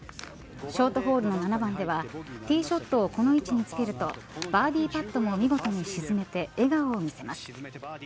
ショートホールの７番ではティーショットをこの位置につけるとバーディーパットも見事に沈めて笑顔を見せます。